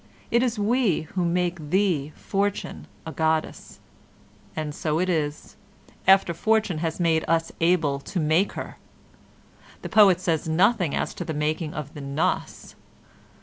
"It is we who make thee, Fortune, a goddess"; and so it is, after Fortune has made us able to make her. The poet says nothing as to the making of the "nos."